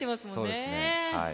そうですね。